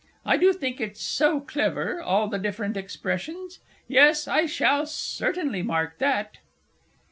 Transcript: I do think it's so clever all the different expressions. Yes, I shall certainly mark that!